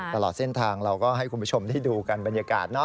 ตลอดเส้นทางเราก็ให้คุณผู้ชมได้ดูกันบรรยากาศ